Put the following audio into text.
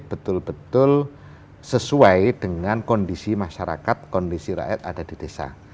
betul betul sesuai dengan kondisi masyarakat kondisi rakyat ada di desa